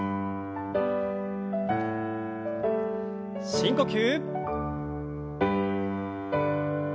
深呼吸。